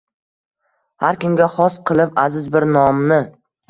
Har kimga xos qilib aziz bir nomni